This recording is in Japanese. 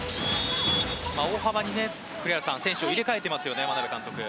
大幅に選手を入れ替えてますね眞鍋監督。